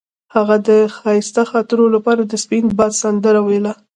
هغې د ښایسته خاطرو لپاره د سپین باد سندره ویله.